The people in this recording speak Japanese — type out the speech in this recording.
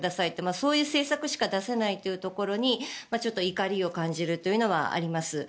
そういう政策しか出せないというところにちょっと怒りを感じるのはあります。